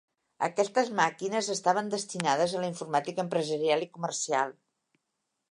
Aquestes màquines estaven destinades a la informàtica empresarial i comercial.